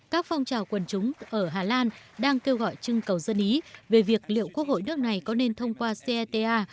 các phong trào quần chúng ở hà lan đang kêu gọi chưng cầu dân ý về việc liệu quốc hội nước này có nên thông qua ceta